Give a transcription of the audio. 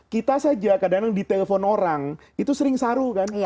kita saja kadang kadang ditelepon orang itu sering saru kan